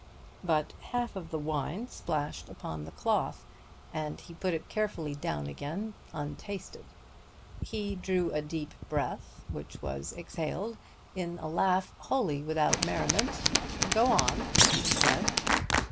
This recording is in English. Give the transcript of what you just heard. But half of the wine splashed upon the cloth, and he put it carefully down again untasted. He drew a deep breath, which was exhaled in a laugh wholly without merriment. "Go on," he said.